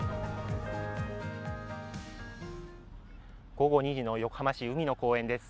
午後２時の横浜市、海の公園です。